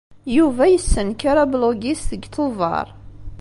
Yuba yessenker ablug-is deg Tubeṛ.